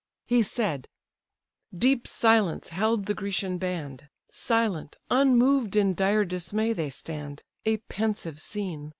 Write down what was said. He said: deep silence held the Grecian band; Silent, unmov'd in dire dismay they stand; A pensive scene!